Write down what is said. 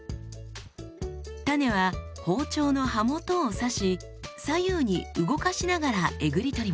種は包丁の刃元を刺し左右に動かしながらえぐり取ります。